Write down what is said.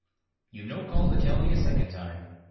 You've no call to tell me a second time.